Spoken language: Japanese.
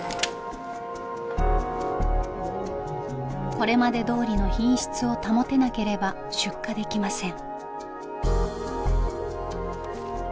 これまでどおりの品質を保てなければ出荷できません。